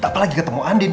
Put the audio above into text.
apalagi ketemu andin